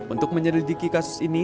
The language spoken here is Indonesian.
untuk menyelidiki kasus ini